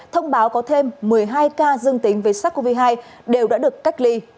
thông báo có thêm một mươi hai ca dương tính với sars cov hai đều đã được cách ly